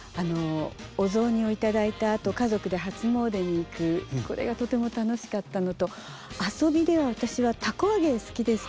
お雑煮を頂いたあと家族で初詣に行くこれがとても楽しかったのと遊びで私はたこ揚げ好きでした。